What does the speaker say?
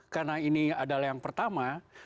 karena ini adalah yang pertama